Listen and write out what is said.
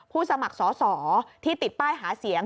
สมัครสอสอที่ติดป้ายหาเสียง